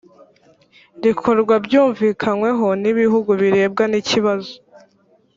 rikorwa byumvikanyweho n ibihugu birebwa n ikibazo